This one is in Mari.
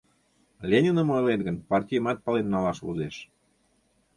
Лениным ойлет гын, партийымат пален налаш возеш.